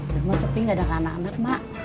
rumah sepi gak ada anak anak mak